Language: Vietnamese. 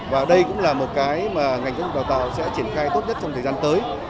và đây cũng là một cái mà ngành giáo dục đào tạo sẽ triển khai tốt nhất trong thời gian tới